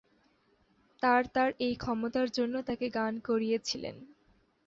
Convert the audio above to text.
তার তার এই ক্ষমতার জন্য তাকে গান করিয়েছিলেন।